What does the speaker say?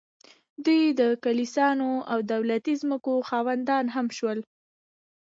دوی د کلیساګانو او دولتي ځمکو خاوندان هم شول